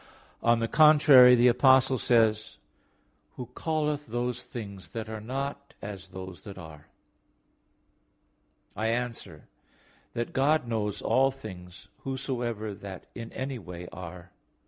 On the contrary, The Apostle says: "Who ... calleth those things that are not as those that are" (Rom. 4:17). I answer that, God knows all things whatsoever that in any way are.